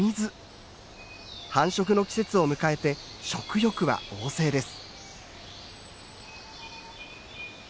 繁殖の季節を迎えて食欲は旺盛です。